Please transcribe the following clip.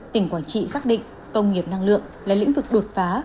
tỉnh quảng trị xác định công nghiệp năng lượng là lĩnh vực đột phá